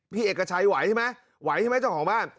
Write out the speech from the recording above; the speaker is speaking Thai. เอกชัยไหวใช่ไหมไหวใช่ไหมเจ้าของบ้าน